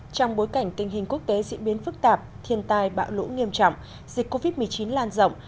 trong bối cảnh tình hình quốc tế diễn biến phức tạp thiên tai bão lũ nghiêm trọng dịch covid một mươi chín lan rộng